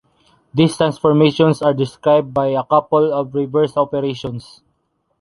These transformations are described by a couple of reverse operations.